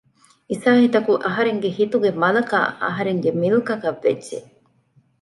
އިސާހިތަކު އަހަރެންގެ ހިތުގެ މަލަކާ އަހަރެންގެ މިލްކަކަށް ވެއްޖެ